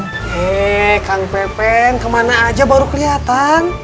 heee kang pepen kemana aja baru keliatan